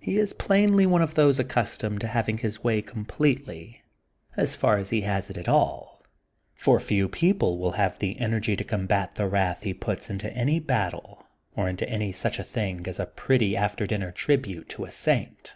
He is plainly one of those accustomed to having his way completely, as far as he has it at all, for few people will have the energy to combat the wrath he puts into any battle or into such a thing as a pretty after dinner tribute to a saint.